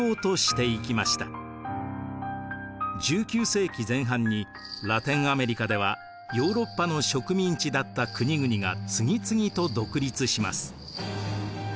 １９世紀前半にラテンアメリカではヨーロッパの植民地だった国々が次々と独立します。